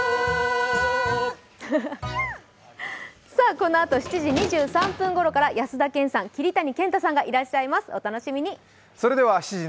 このあと７時２３分頃から安田顕さん、桐谷健太さんがいらっしゃいます。